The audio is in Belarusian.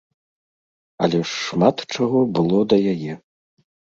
Але ж шмат чаго было да яе.